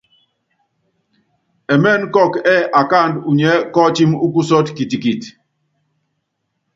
Ɛmɛ́nɛ́ kɔkɔ ɛ́ɛ́ akáandú unyiɛ́ kɔ́ɔtímí úkusɔ́tɔ kitikit.